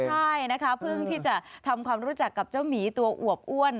ใช่นะคะเพิ่งที่จะทำความรู้จักกับเจ้าหมีตัวอวบอ้วน